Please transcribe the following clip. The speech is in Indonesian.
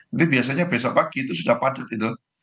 nanti biasanya besok pagi itu sudah padat gitu